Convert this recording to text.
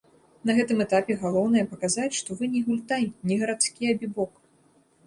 На гэтым этапе галоўнае паказаць, што вы не гультай, не гарадскі абібок.